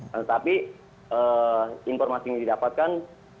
tetapi informasi yang didapatkan